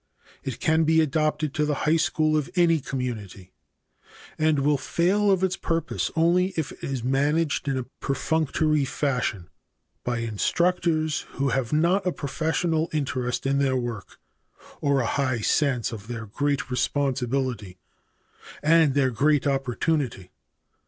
It can be adapted to the high school of any community, and will fail of its purpose only if it is managed in a perfunctory fashion by instructors who have not a professional interest in their work, or a high sense of their great responsibility and their great opportunity.